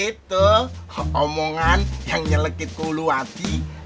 itu omongan yang nyelekit kulu hati